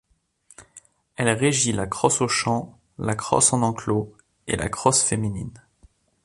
Elle régit la crosse au champ, la crosse en enclos et la crosse féminine.